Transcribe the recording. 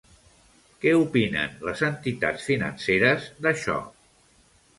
Què opinen les entitats financeres d'això?